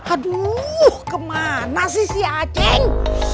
aduh kemana sih si aceh